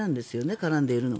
絡んでいるのは。